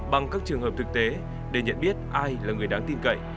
bằng các trường hợp thực tế để nhận biết ai là người đáng tin cậy